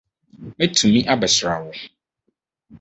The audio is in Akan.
Mɛtumi abɛsra wo?